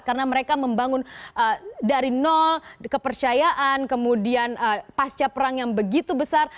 karena mereka membangun dari nol kepercayaan kemudian pasca perang yang begitu besar